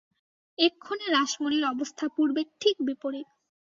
এক্ষণে রাসমনির অবস্থা পূর্বের ঠিক বিপরীত।